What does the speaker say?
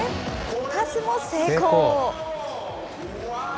パスも成功。